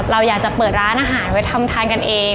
เราอยากจะเปิดร้านอาหารไว้ทำทานกันเอง